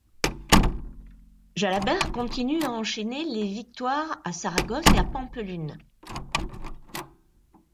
Jalabert continue à enchaîner les victoires à Saragosse et à Pampelune.